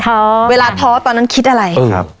เทาเหมือนกันเวลาเทาตอนนั้นคิดอะไร